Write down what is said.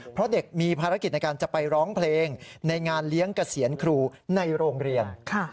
เพราะเด็กมีภารกิจในการจะไปร้องเพลงในงานเลี้ยงเกษียณครูในโรงเรียน